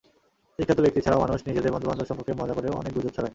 বিখ্যাত ব্যক্তি ছাড়াও মানুষ নিজেদের বন্ধুবান্ধব সম্পর্কে মজা করেও অনেক গুজব ছড়ায়।